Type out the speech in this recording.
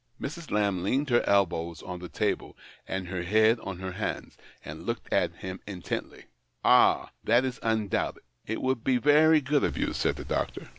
Mrs. Lamb leant her elbows on the table, and her head on her hands, and looked at him intently. " Ah I That is undoubted ; it would be very good of you," said the doctor. 72 THE OCTAVE OF CLAUDIUS.